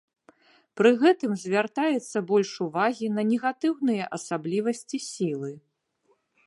Пры гэтым звяртаецца больш увагі на негатыўныя асаблівасці сілы.